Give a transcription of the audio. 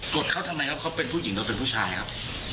ดเขาทำไมครับเขาเป็นผู้หญิงหรือเป็นผู้ชายครับ